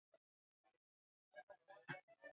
ally salum hapi alizaliwa nzega mkoani tabora